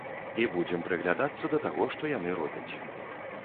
І будзем прыглядацца да таго, што яны робяць.